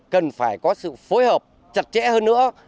cần phải có sự phối hợp chặt chẽ hơn nữa